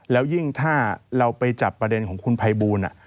แล้วยิ่งถ้าเราไปจับประเด็นของคุณภัยบูล